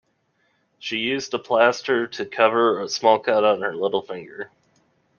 She used a plaster to cover a small cut on her little finger